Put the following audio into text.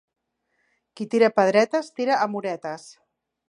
Qui tira pedretes, tira amoretes.